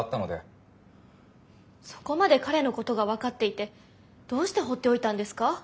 そこまで彼のことが分かっていてどうして放っておいたんですか？